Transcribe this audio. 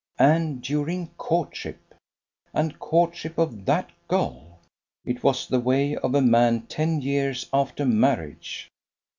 And during courtship! And courtship of that girl! It was the way of a man ten years after marriage.